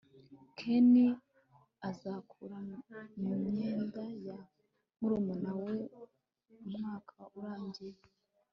ken azakura mumyenda ya murumuna we umwaka urangiye